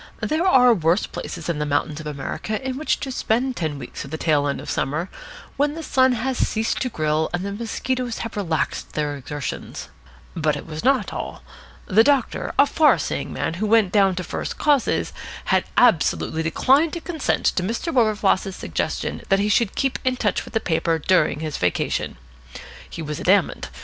There are worse places than the mountains of America in which to spend ten weeks of the tail end of summer, when the sun has ceased to grill and the mosquitoes have relaxed their exertions. But it was not all. The doctor, a far seeing man who went down to first causes, had absolutely declined to consent to Mr. Wilberfloss's suggestion that he should keep in touch with the paper during his vacation. He was adamant.